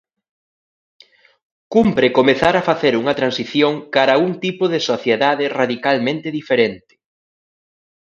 Cumpre comezar a facer unha transición cara a un tipo de sociedade radicalmente diferente.